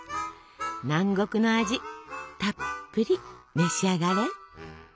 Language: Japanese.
南国の味たっぷり召し上がれ！